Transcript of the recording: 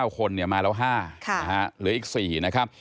๙คนมาแล้ว๕เหลืออีก๔นะครับ